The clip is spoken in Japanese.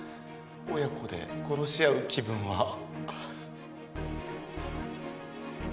親子で殺し合う気分は。